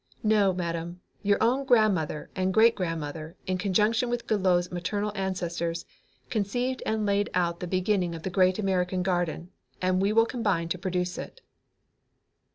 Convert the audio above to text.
No, Madam, your own grandmother and great grandmother, in conjunction with Goodloe's maternal ancestors, conceived and laid out the beginning of the great American garden, and we will combine to produce it."